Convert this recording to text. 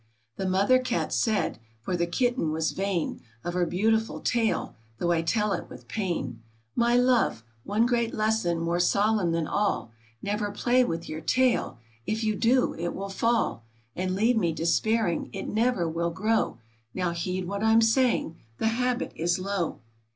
The Mother Cat said, (for the Kitten was vain Of her beautiful tail, though I tell it with pain,) " My love ! one great lesson more solemn than all ! Kever play with your tail ! If you do it will fall, And leave me despairing; — It never will grow! Kow heed what I'm saying — the habit is low.